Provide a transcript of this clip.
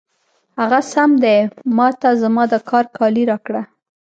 هغه سم دی، ما ته زما د کار کالي راکړه.